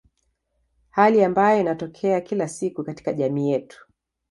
Hali ambayo inatokea kila siku katika jamii yetu.